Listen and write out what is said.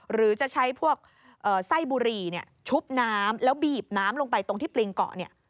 หรือจะใช้พวกไส้บุหรี่ชุบน้ำแล้วบีบน้ำลงไปตรงที่ปริงเกาะเนี่ย